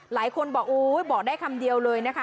หลายคนบอกโอ๊ยบอกได้คำเดียวเลยนะคะ